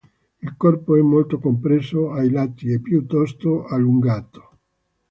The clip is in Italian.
Il corpo è molto compresso ai lati e piuttosto allungato.